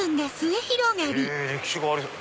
へぇ歴史がありそう。